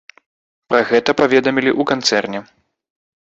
Пра гэта паведамілі ў канцэрне.